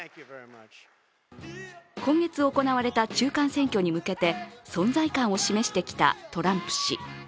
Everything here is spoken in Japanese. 今月行われた中間選挙に向けて、存在感を示してきたトランプ氏。